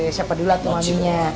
eh siapa dulu tuh maminya